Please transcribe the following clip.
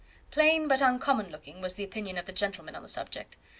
"Plain, but uncommon looking," was the opinion of the gentlemen on the subject.